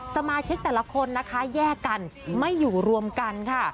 สมาชิกแต่ละคนนะคะแยกกันไม่อยู่รวมกันค่ะ